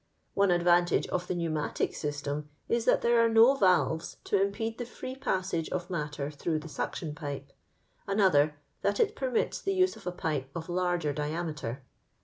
One advantage of the pneumatio system is, that there are no valves to impede the tree passage of matter through the suction pipe; another, that it per mits the use of a pipe of larger diameter.